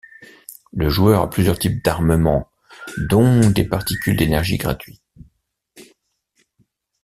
Le joueur a plusieurs types d'armements dont des particules d'énergie gratuit.